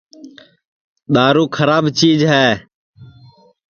دؔارُو کھراب چِیج ہے